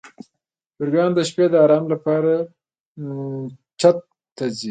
چرګان د شپې د آرام لپاره چت ته ځي.